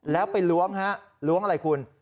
แล้วไปล้วงฮะล้วงอะไรคุณ